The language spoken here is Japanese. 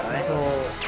そう。